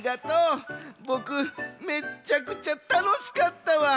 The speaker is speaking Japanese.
ボクめっちゃくちゃたのしかったわ。